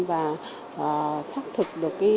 và xác thực được